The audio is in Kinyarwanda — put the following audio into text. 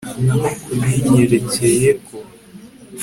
naho ku binyerekeyeko